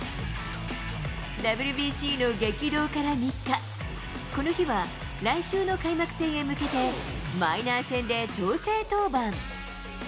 ＷＢＣの激動から３日、この日は来週の開幕戦へ向けて、マイナー戦で調整登板。